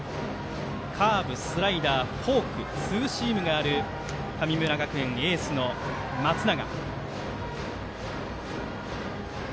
カーブ、スライダー、フォークツーシームがある神村学園エースの松永。